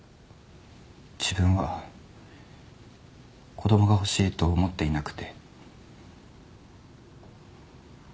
自分は子供が欲しいと思っていなくて。